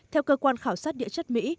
theo cơ quan khảo sát địa chất mỹ